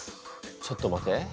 ちょっと待て。